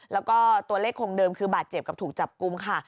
แล้วก็ตัวเลขคงเดิมคือบาดเจ็บกับถูกจับกลุ่มค่ะ